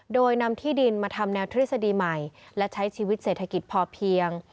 โดยนำที่ดินมาทำแนวทฤษฎีใหม่และใช้ชีวิตเศรษฐกิจพอเพียง